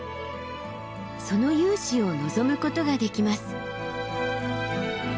その雄姿を望むことができます。